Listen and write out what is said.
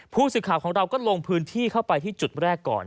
ผู้สื่อข่าวของเราก็ลงพื้นที่เข้าไปที่จุดแรกก่อน